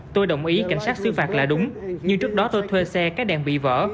tôi đồng ý cảnh sát xử phạt là đúng nhưng trước đó tôi thuê xe cái đèn bị vỡ